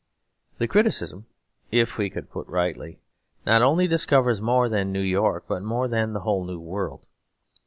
The criticism, if we could put it rightly, not only covers more than New York but more than the whole New World.